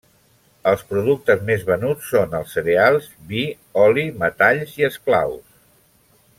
Els productes més venuts són els cereals, vi, oli, metalls i esclaus.